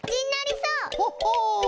ほっほう。